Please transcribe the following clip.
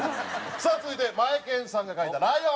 さあ続いてマエケンさんが描いた「ライオン」。